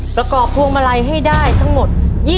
ประกอบพวงมาลัยให้ได้ทั้งหมด